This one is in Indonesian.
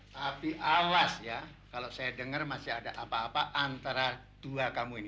tapi awas ya kalau saya dengar masih ada apa apa antara dua kamu ini